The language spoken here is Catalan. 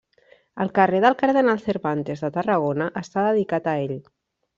El carrer del Cardenal Cervantes de Tarragona està dedicat a ell.